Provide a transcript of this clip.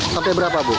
sampai berapa bu